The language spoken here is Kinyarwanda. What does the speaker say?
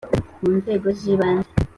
Mu nzego z ibanze